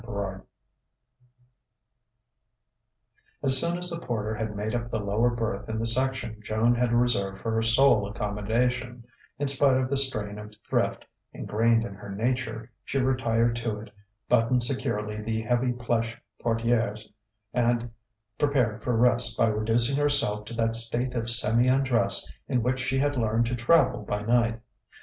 XXVIII As soon as the porter had made up the lower berth in the section Joan had reserved for her sole accommodation in spite of the strain of thrift ingrained in her nature she retired to it, buttoned securely the heavy plush portieres, and prepared for rest by reducing herself to that state of semi undress in which she had learned to travel by night.